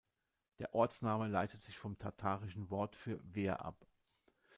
Der Ortsname leitet sich vom tatarischen Wort für "Wehr" ab.